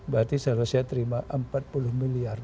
berarti seharusnya terima empat puluh miliar